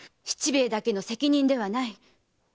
七兵衛だけの責任ではない。